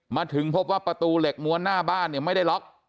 มาถึงพบว่าประตูเหล็กม้วนหน้าบ้านเนี่ยไม่ได้ล็อก